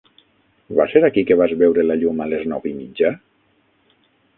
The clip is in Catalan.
Va ser aquí que vas veure la llum a les nou i mitja?